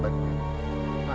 baik pak gerang